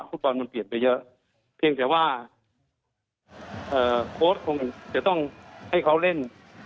ฟุตบอลมันเปลี่ยนไปเยอะเพียงแต่ว่าโค้ดคงจะต้องให้เขาเล่น